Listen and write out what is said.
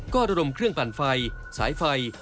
ก็ระดมเครื่องปั่นไฟสายไฟ